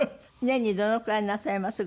年にどのくらいなさいます？